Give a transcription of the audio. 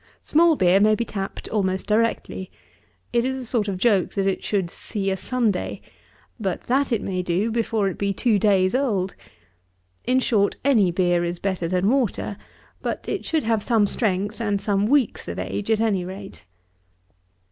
64. Small beer may be tapped almost directly. It is a sort of joke that it should see a Sunday; but, that it may do before it be two days old. In short, any beer is better than water; but it should have some strength and some weeks of age at any rate.